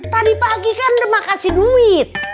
tadi pagi kan demak kasih duit